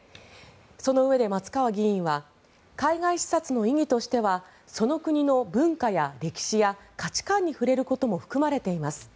そのうえで松川議員は海外視察の意義としてはその国の文化や歴史や価値観に触れることも含まれています